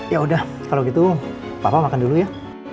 yaudah kalau gitu papa makan dulu ya